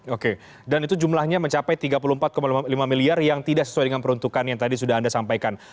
oke dan itu jumlahnya mencapai tiga puluh empat lima miliar yang tidak sesuai dengan peruntukan yang tadi sudah anda sampaikan